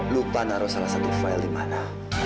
lupa naruh salah satu file di mana